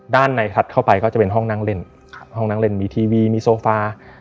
ด้านในถัดเข้าไปก็จะเป็นห้องนั่งเล่นห้องนั่งเล่นมีทีวีมีโซฟา